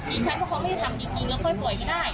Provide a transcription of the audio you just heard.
ฉันว่าเขาไม่ได้ทำจริงแล้วค่อยปล่อยก็ได้